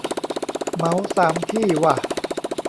เหมาสามที่ว่ะ